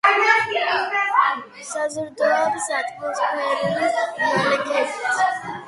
საზრდოობს ატმოსფერული ნალექებით.